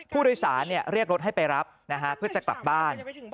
ผู้โดยสารเรียกรถให้ไปรับเพื่อจะกลับบ้าน